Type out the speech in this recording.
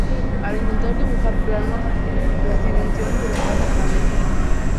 Al intentar dibujar planos, las dimensiones de la casa cambiaban.